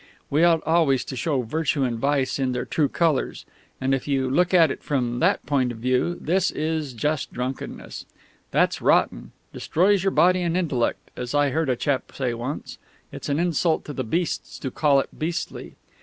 We ought always to show virtue and vice in their true colours, and if you look at it from that point of view this is just drunkenness. That's rotten; destroys your body and intellect; as I heard a chap say once, it's an insult to the beasts to call it beastly.